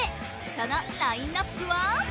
そのラインナップは？